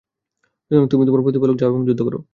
সুতরাং তুমি আর তোমার প্রতিপালক যাও এবং যুদ্ধ কর।